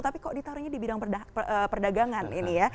tapi kok ditaruhnya di bidang perdagangan ini ya